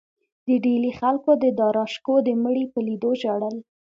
د ډیلي خلکو د داراشکوه د مړي په لیدو ژړل.